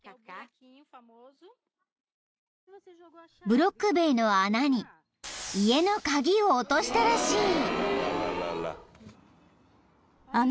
［ブロック塀の穴に家の鍵を落としたらしい］